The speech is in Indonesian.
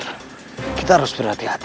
sehingga kau tidak akan merahkan aku